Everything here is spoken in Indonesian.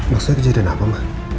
maksudnya kejadian apa ma